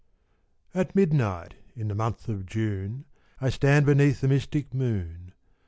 At midnight, in the month of June, I stand beneath the mystic moon.